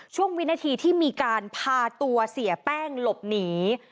วินาทีที่มีการพาตัวเสียแป้งหลบหนี